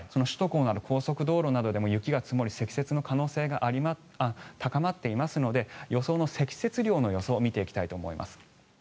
首都高など高速道路でも雪が積もり、積雪の可能性が高まっていますので積雪量の予想を見ていきたいと思います。